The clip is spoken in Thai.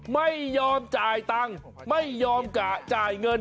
ไม่ยอมจ่ายตังค์ไม่ยอมกะจ่ายเงิน